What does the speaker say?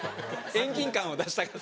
遠近感を出したかった。